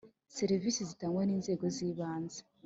serivisi zitangwa n inzego z ibanze